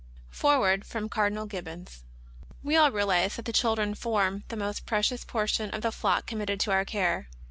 FOREWORD FEOM OAEDINAL GIBBONS. We all realize that the children form the most pre cious portion of the flock committed to our care.